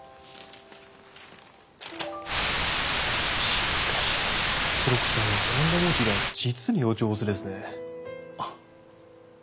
しかし黒木さんはオランダ文字が実にお上手ですね。